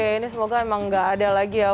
ini semoga memang tidak ada lagi ya